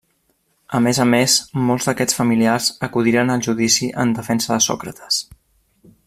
A més a més, molts d'aquests familiars acudiren al judici en defensa de Sòcrates.